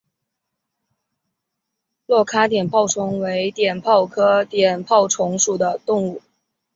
珞珈碘泡虫为碘泡科碘泡虫属的动物。